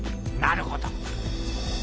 なるほど。